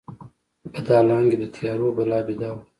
په دالان کې د تیارو بلا بیده وه